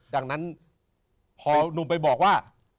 ดังนั้นพอหนุ่มไปบอกว่า